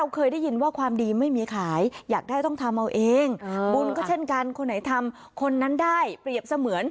ก็ไม่ได้เพียบเสมือน